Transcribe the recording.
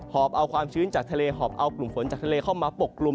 อบเอาความชื้นจากทะเลหอบเอากลุ่มฝนจากทะเลเข้ามาปกกลุ่ม